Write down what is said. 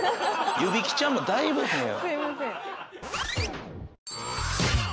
湯引きちゃんもだいぶ変や。